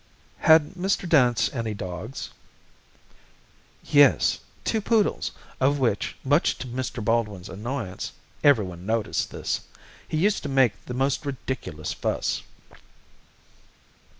"Had Mr. Dance any dogs?" "Yes two poodles, of which, much to Mr. Baldwin's annoyance (everyone noticed this), he used to make the most ridiculous fuss."